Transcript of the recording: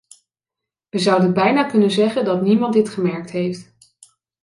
Wij zouden bijna kunnen zeggen dat niemand dit gemerkt heeft.